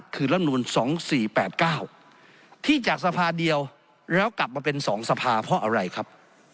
คือรับนูล๒๔๘๙ที่จากสภาเดียวแล้วกลับมาเป็น๒สภาเพราะอะไรครับ